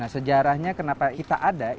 sejarahnya kenapa kita ada itu dua hal